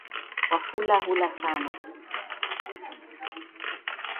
Wafula hula sana